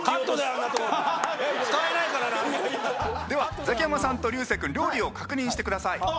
ではザキヤマさんと流星君料理を確認してください。